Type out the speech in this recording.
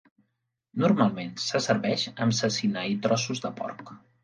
Normalment se serveix amb cecina i trossos de porc.